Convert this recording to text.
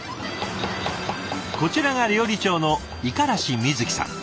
こちらが料理長の五十嵐瑞葵さん。